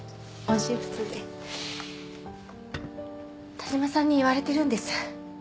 田島さんに言われてるんです。